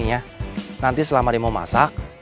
nanti selama dia mau masak